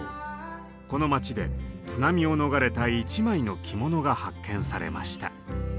この町で津波を逃れた一枚の着物が発見されました。